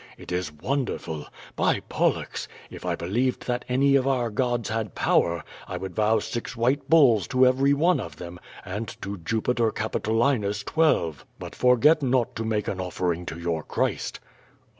It is won derful! By Pollux! if I believed that any of our gods had power, I would vow six white bulls to every one of them, and to Jupiter Capitolinus twelve. But forget not to make an offering to your Christ/' ^?